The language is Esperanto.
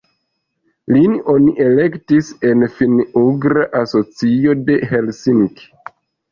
Lin oni elektis en Finn-ugra Asocio de Helsinki.